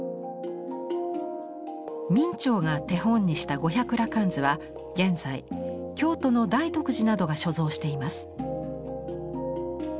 明兆が手本にした「五百羅漢図」は現在京都の大徳寺などが所蔵しています。